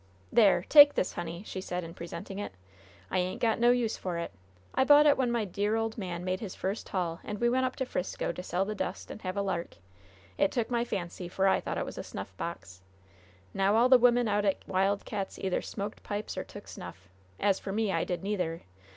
"There! Take this, honey," she said, in presenting it. "I ain't got no use for it. I bought it when my dear old man made his first haul, and we went up to 'Frisco to sell the dust and have a lark. It took my fancy, for I thought it was a snuffbox. Now, all the wimmin out at Wild Cats' either smoked pipes or took snuff. As for me, I did neither.